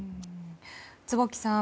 坪木さん